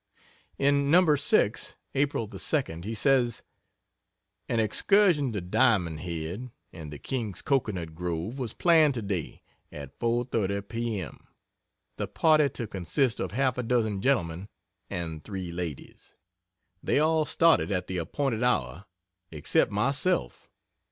In No. 6, April the 2d, he says: "An excursion to Diamond Head, and the king's cocoanut grove, was planned to day, at 4.30 P. M., the party to consist of half a dozen gentlemen and three ladies. They all started at the appointed hour except myself.